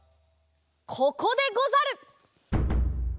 ここでござる！